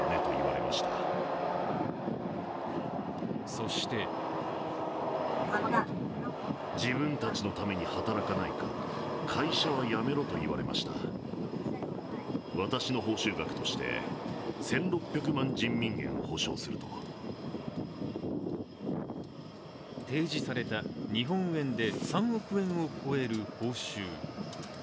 そして提示された、日本円で３億円を超える報酬。